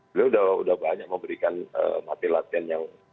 beliau sudah banyak memberikan materi latihan yang